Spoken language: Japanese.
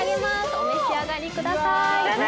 お召し上がりください。